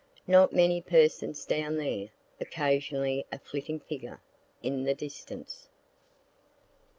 Not many persons down there, occasionally a flitting figure in the distance.